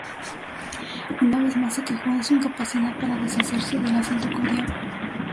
Una vez más se quejó de su incapacidad para deshacerse del acento que odiaba.